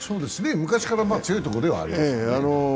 昔から強いところではありますね。